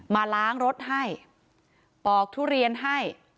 มาล้างรถให้ปอกทุเรียนให้